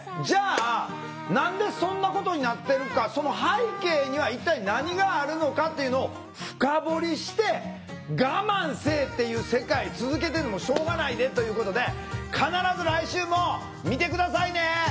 じゃあ何でそんなことになってるかその背景には一体何があるのかっていうのを深掘りして我慢せえっていう世界続けててもしょうがないでということで必ず来週も見て下さいね。